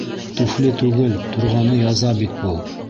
Туфли түгел, торғаны яза бит был!